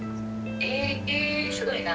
えすごいな。